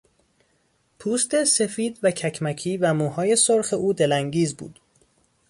پوست سفید و ککمکی و موهای سرخ او دلانگیز بود.